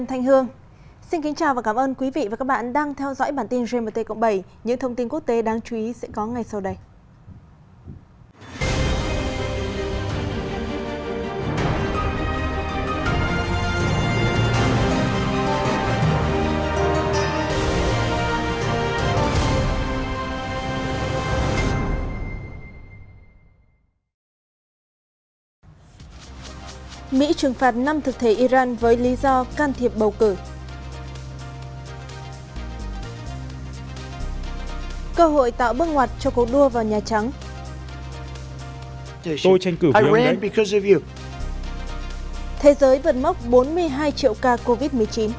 thế giới vượt mốc bốn mươi hai triệu ca covid một mươi chín